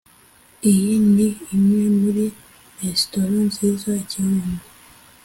iyi ni imwe muri resitora nziza i kibungo